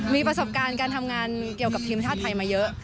มีประสบการณ์การทำงานเกี่ยวกับทีมชาติไทยมาเยอะ